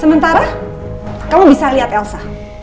sementara kamu bisa lihat elsa